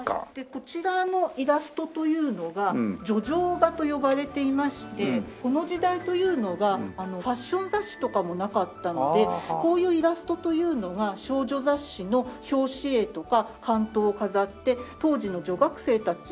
こちらのイラストというのが抒情画と呼ばれていましてこの時代というのがファッション雑誌とかもなかったのでこういうイラストというのが少女雑誌の表紙絵とか巻頭を飾って当時の女学生たち。